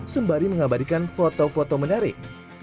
sembari mengabadikan foto foto menarik